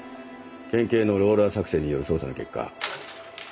県警のローラー作戦による捜査の結果。